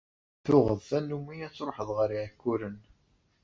Tuɣeḍ tanumi ad truḥeḍ ɣer Iɛekkuren?